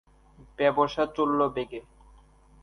ব্যাবসা চলল বেগে।